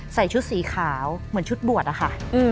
ใส่ชุดสีขาวเหมือนชุดบวชอะค่ะ